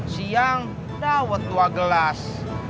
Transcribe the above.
siang dawet dua gelas